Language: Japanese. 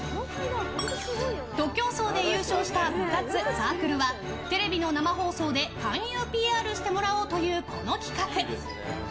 徒競走で優勝した部活・サークルはテレビの生放送で勧誘ＰＲしてもらおうという、この企画。